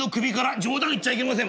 「冗談言っちゃいけません！」。